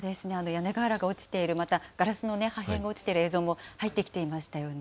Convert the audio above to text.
屋根瓦が落ちている、また、ガラスの破片が落ちている映像も入ってきていましたよね。